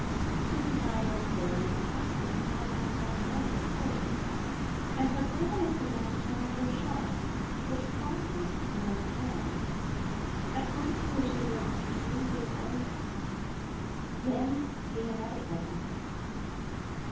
She was neither as daring as Patsy nor as magnetic as Pips, and her cleverness began to turn a little sharp, which frightened the men terribly. At twenty two she looked three years older. Then the inevitable happened.